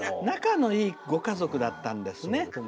仲のいいご家族だったんですね。